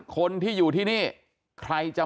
สวัสดีคุณผู้ชายสวัสดีคุณผู้ชาย